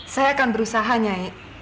saya akan berusaha nyai